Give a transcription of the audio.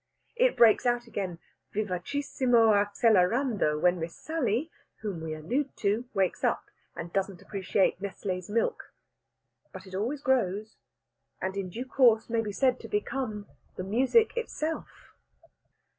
It breaks out again vivacissimo accelerando when Miss Sally (whom we allude to) wakes up, and doesn't appreciate Nestlé's milk. But it always grows, and in due course may be said to become the music itself.